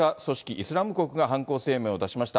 イスラム国が犯行声明を出しました。